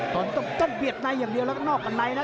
ตอนต้องเบียดในอย่างเดียวแล้วก็นอกกันในนะ